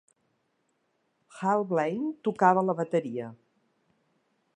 Hal Blaine tocava la bateria.